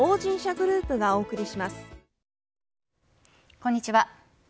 こんにちは。